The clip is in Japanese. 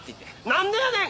何でやねん！